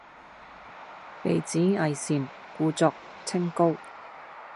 被指偽善，故作清高